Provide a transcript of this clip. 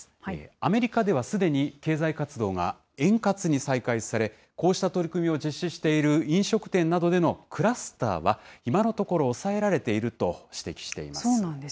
アメリカではすでに経済活動が円滑に再開され、こうした取り組みを実施している飲食店などでのクラスターは今のところ抑えられていると指摘しています。